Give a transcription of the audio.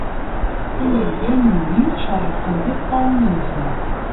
Qqimen din, cerrqen tiṭṭawin-nsen.